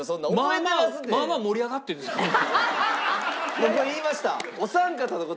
僕言いました。